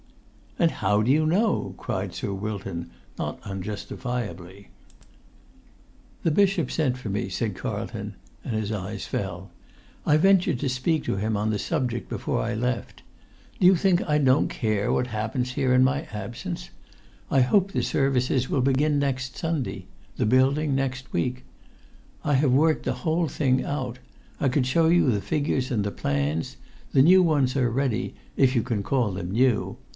"And how do you know?" cried Sir Wilton, not unjustifiably. "The bishop sent for me," said Carlton—and his eyes fell. "I ventured to speak to him on the subject before I left. Do you think I don't care what happens here in my absence? I hope the services will begin next Sunday—the building next week. I have worked the whole thing out. I could show you the figures and the plans. The new ones are ready, if you can call them new.